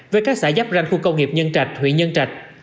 với các xã giáp ranh khu công nghiệp nhân trạch huyện nhân trạch